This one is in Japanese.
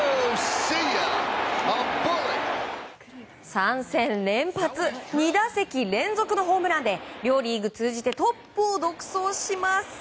３戦連発２打席連続のホームランで両リーグ通じてトップを独走します。